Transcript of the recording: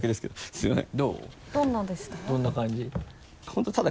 すみません